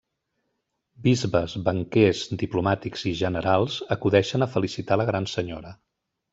Bisbes, banquers, diplomàtics i generals acudeixen a felicitar la gran senyora.